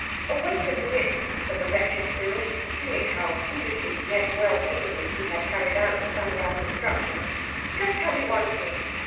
"Oh! wait a minute," said the wretched Cyril, feeling how foolishly yet well meaningly he had carried out the Psammead's instructions. "Just tell me one thing.